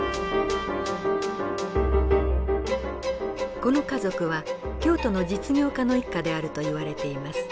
この家族は京都の実業家の一家であるといわれています。